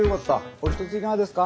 お一ついかがですか？